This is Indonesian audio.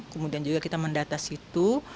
kemudian juga kita mendata situ